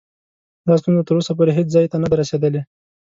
دا ستونزه تر اوسه پورې هیڅ ځای ته نه ده رسېدلې.